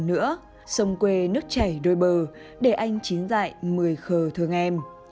hơn nữa sông quê nước chảy đôi bờ để anh chín dại mười khờ thương em